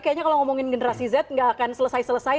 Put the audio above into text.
kayaknya kalau ngomongin generasi z nggak akan selesai selesai